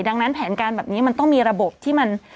ดังนั้นแผนการแบบนี้มันต้องมีระบบที่มัน